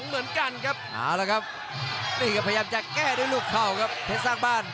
เอาละครับนี่ก็พยายามจะแก้ด้วยลูกเข้าครับเพชรสร้างบ้าน